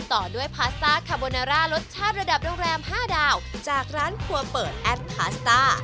ต่อด้วยพาสต้าคาโบนาร่ารสชาติระดับโรงแรม๕ดาวจากร้านครัวเปิดแอปพาสต้า